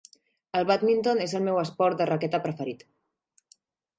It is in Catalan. El bàdminton és el meu esport de raqueta preferit.